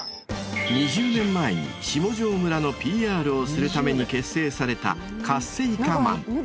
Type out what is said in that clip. ２０年前に下條村のＰＲをするために結成されたカッセイカマン。